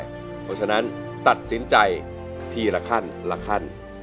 เพราะฉะนั้นตัดสินใจทีละขั้นละขั้น